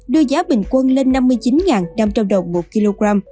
đưa giá bình quân lên năm mươi chín năm trăm linh đồng một kg